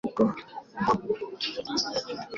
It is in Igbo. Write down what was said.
ma bụrụ onye obodo Aguobu Owa